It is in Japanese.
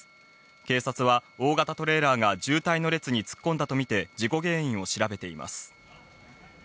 警察は大型トレーラーが渋滞の列に突っ込んだとみて事故原因を調べています。